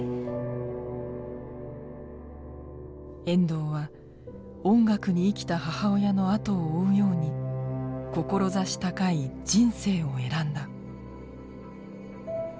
遠藤は音楽に生きた母親の後を追うように志高い「人生」を選んだ。